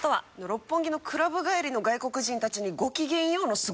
六本木のクラブ帰りの外国人たちに『ごきげんよう』の凄さを説く。